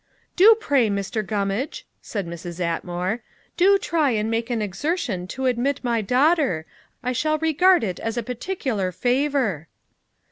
"Do pray, Mr. Gummage," said Mrs. Atmore; "do try and make an exertion to admit my daughter; I shall regard it as a particular favor."